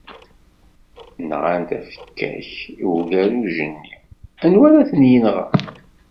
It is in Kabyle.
Nɣan tafekka-k, i ugerruj-nni, anwa ara t-yenɣen?